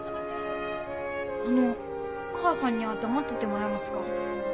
あの母さんには黙っててもらえますか？